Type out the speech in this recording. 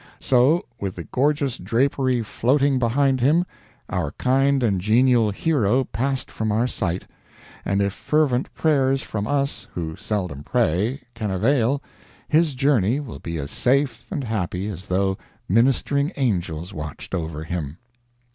So, with the gorgeous drapery floating behind him, our kind and genial hero passed from our sight; and if fervent prayers from us, who seldom pray, can avail, his journey will be as safe and happy as though ministering angels watched over him.